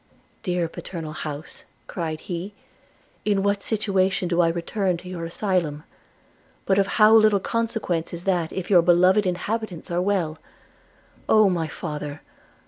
'Dear paternal house,' cried he, 'in what situation do I return to your asylum! – but of how little consequence is that if your beloved inhabitants are well! – Oh, my father!